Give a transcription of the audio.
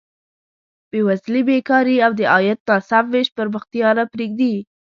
بېوزلي، بېکاري او د عاید ناسم ویش پرمختیا نه پرېږدي.